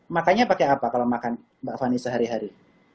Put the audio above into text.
makannya pakai apa kalau makan mbak fani sehari hari